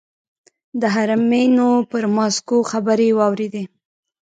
د حرمینو پر ماسکو خبرې واورېدې.